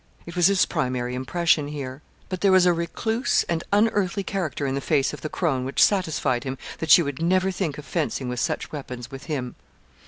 It was his primary impression here. But there was a recluse and unearthly character in the face of the crone which satisfied him that she would never think of fencing with such weapons with him.